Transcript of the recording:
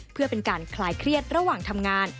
เพื่อเป็นการคลายเครียดระหว่างทำงาน